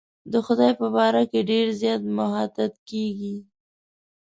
د خدای په باره کې ډېر زیات محتاط کېږي.